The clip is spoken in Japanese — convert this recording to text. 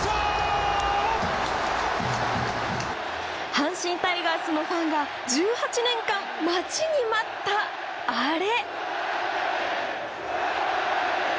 阪神タイガースのファンが１８年間、待ちに待ったアレ。